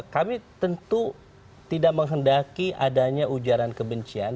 kami tentu tidak menghendaki adanya ujaran kebencian